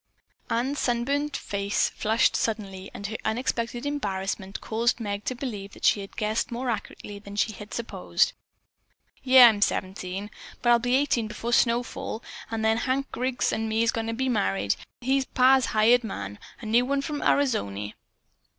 Ann's sunburned face flushed suddenly and her unexpected embarrassment caused Meg to believe that she had guessed more accurately than she had supposed. "Yeah, I'm seventeen. But I'll be eighteen before snowfall, an' then Hank Griggs an' me's goin' to be married. He's pa's hired man. A new one from Arizony."